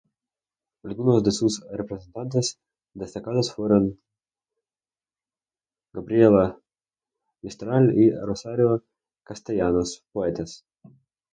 Algunos de sus representantes destacados fueron Gabriela Mistral y Rosario Castellanos, poetas.